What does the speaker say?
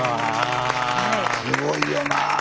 すごいよなあ。